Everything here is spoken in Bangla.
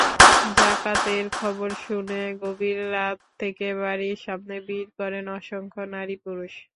জাকাতের খবর শুনে গভীর রাত থেকে বাড়ির সামনে ভিড় করেন অসংখ্য নারী-পুরুষ।